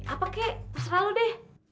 apa kek terserah lo deh